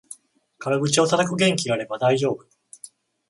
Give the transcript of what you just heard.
軽口をたたく元気があれば大丈夫